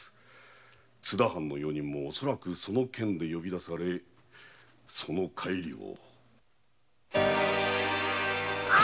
津田藩・用人もおそらくその件で呼び出されその帰りを。